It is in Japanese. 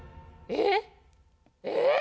えっ？